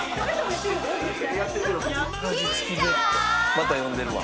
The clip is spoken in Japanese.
また呼んでるわ。